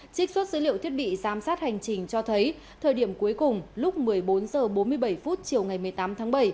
trích xuất dữ liệu thiết bị giám sát hành trình cho thấy thời điểm cuối cùng lúc một mươi bốn h bốn mươi bảy chiều ngày một mươi tám tháng bảy